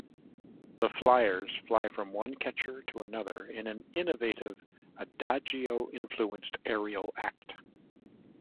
The flyers fly from one catcher to another in an innovative adagio-influenced aerial act.